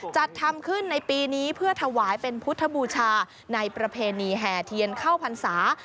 จัดทำขึ้นในปีนี้เพื่อถวายเป็นพุทธบูชาในประเพณีแห่เทียนเข้าพรรษา